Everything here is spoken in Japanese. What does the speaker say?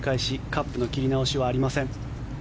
カップの切り直しはありません。